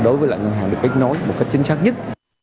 đối với lại ngân hàng được kết nối một cách chính xác nhất